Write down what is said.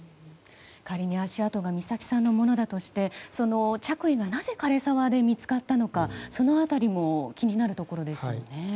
仮に足跡が美咲さんのものだとして着衣がなぜ枯れ沢で見つかったのかその辺りも気になるところですよね。